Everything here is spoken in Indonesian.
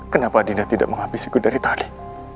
kenapa dinda tidak menghabisiku dari tarik